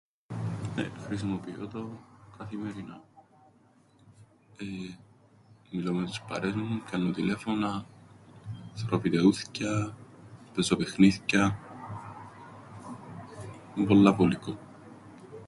Ε, χρησιμοποιώ το, καθημερινά. Εεε... μιλώ με τους παρέες μου, πιάννω τηλέφωνα... θωρώ βιτεούθκια... παίζω παιχνίθκια... Εν' πολλά βολικόν.